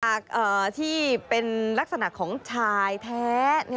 ที่เป็นลักษณะของชายแท้